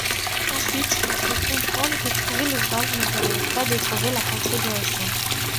Ensuite, il faut comprendre que trouver l'ouvrage ne permet pas de trouver la contribution.